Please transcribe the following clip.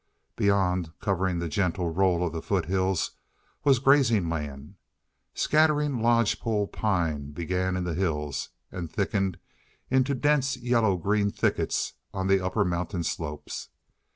Beyond, covering the gentle roll of the foothills, was grazing land. Scattering lodgepole pine began in the hills, and thickened into dense yellow green thickets on the upper mountain slopes.